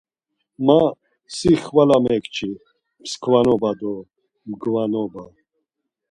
Ma, si xvala mekçi, mskvanoba do mgvanoba.